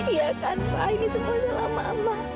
iya kan wah ini semua salah mama